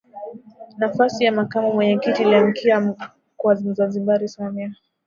Nafasi ya Makamu Mwenyekiti iliangukia kwa Mzanzibari Samia